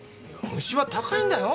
虫は高いんだよ。